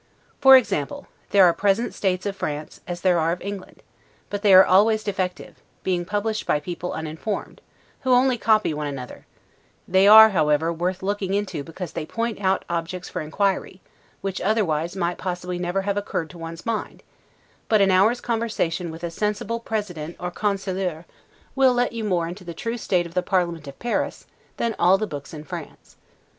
For example, there are "Present States" of France, as there are of England; but they are always defective, being published by people uninformed, who only copy one another; they are, however, worth looking into because they point out objects for inquiry, which otherwise might possibly never have occurred to one's mind; but an hour's conversation with a sensible president or 'conseiller' will let you more into the true state of the parliament of Paris, than all the books in France.